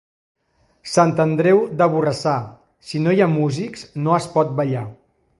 Sant Andreu de Borrassà, si no hi ha músics, no es pot ballar.